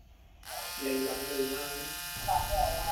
你諗你啦